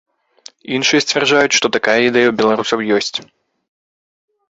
Іншыя сцвярджаюць, што такая ідэя ў беларусаў ёсць.